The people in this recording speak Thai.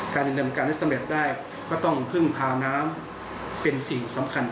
การดำเนินการให้สำเร็จได้ก็ต้องพึ่งพาน้ำเป็นสิ่งสำคัญ